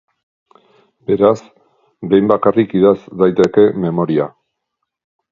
Beraz, behin bakarrik idatz daiteke memoria.